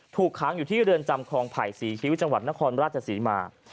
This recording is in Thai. ค้างอยู่ที่เรือนจำคลองไผ่ศรีคิ้วจังหวัดนครราชศรีมา